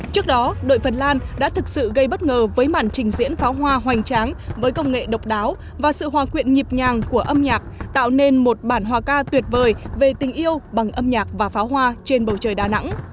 trước đó đội phần lan đã thực sự gây bất ngờ với màn trình diễn pháo hoa hoành tráng với công nghệ độc đáo và sự hòa quyện nhịp nhàng của âm nhạc tạo nên một bản hòa ca tuyệt vời về tình yêu bằng âm nhạc và pháo hoa trên bầu trời đà nẵng